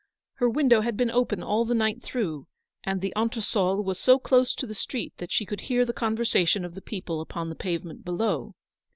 Her window had been open all the night through, and the entresol was so close to the street that she could hear the conversation of the people upon the pavement below.